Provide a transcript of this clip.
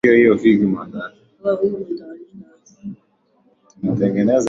Ni ukamilifu kwa kila mtu